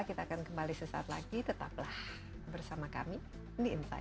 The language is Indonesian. kita akan kembali sesaat lagi tetaplah bersama kami di insight